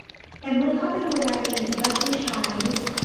แต่เมื่อเข้าไปดูรายละเอียดยอดผู้ใช้